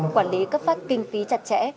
quản lý cấp phát kinh phí chặt chẽ